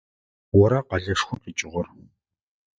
Ора къэлэшхом къикӏыгъэр?